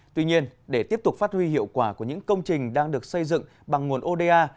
tuy nhiên để tiếp tục phát huy hiệu quả của những công trình đang được xây dựng bằng nguồn oda